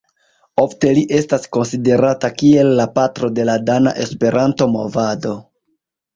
Ofte li estas konsiderata kiel "la patro de la dana Esperanto-movado".